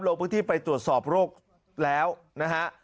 โรคพิธีไปตรวจสอบโรคแล้วนะฮะ